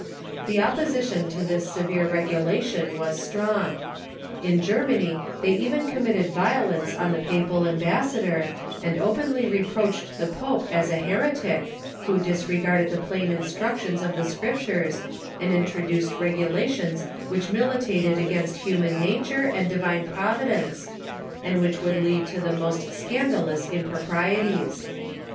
The opposition to this severe regulation was strong. In Germany they even committed violence on the papal ambassador, and openly reproached the Pope as a heretic, who disregarded the plain instructions of the Scriptures and introduced regulations which militated against human nature and Divine Providence, and which would lead to the most scandalous improprieties.